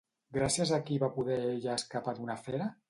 Gràcies a qui va poder ella escapar d'una fera?